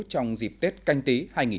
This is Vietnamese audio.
trong dịp tết canh tí hai nghìn hai mươi